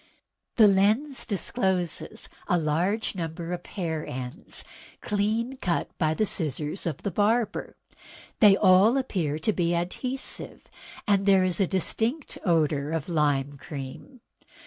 The lens discloses a large number of hair ends, clean cut by the scissors of the barber. They all appear to be adhesive, and there is a distinct odor of lime cream.